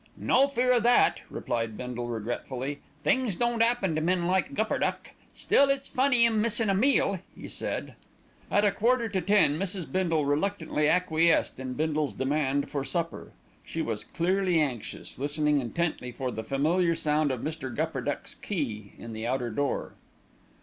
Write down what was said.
"No fear o' that," replied Bindle regretfully. "Things don't 'appen to men like Gupperduck; still it's funny 'im missin' a meal," he added. At a quarter to ten Mrs. Bindle reluctantly acquiesced in Bindle's demand for supper. She was clearly anxious, listening intently for the familiar sound of Mr. Gupperduck's key in the outer door.